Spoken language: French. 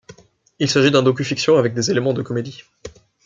Il s'agit d'un docufiction avec des éléments de comédie.